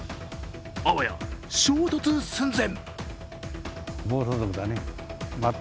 あわや衝突寸前。